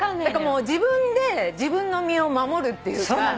もう自分で自分の身を守るっていうか。